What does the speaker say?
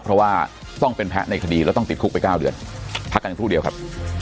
เพราะว่าต้องเป็นแพ้ในคดีแล้วต้องติดคุกไป๙เดือนพักกันครู่เดียวครับ